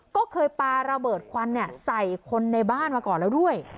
ก็เคยปาระเบิดควันใส่คนในบ้านมาก่อนแล้วด้วย